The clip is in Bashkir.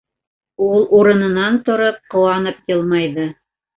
- Ул, урынынан тороп, ҡыуанып йылмайҙы.